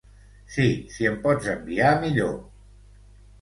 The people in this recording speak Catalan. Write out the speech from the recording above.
Si, si em pots enviar millor.